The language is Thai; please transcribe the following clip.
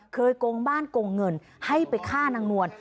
โกงบ้านโกงเงินให้ไปฆ่านางนวล